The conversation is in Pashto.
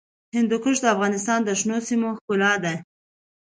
هندوکش د افغانستان د شنو سیمو ښکلا ده.